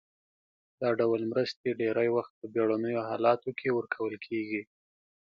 دا ډول مرستې ډیری وخت په بیړنیو حالاتو کې ورکول کیږي.